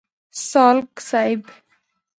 سالک صیب.